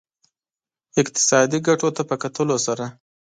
اقتصادي ګټو ته په کتلو سره.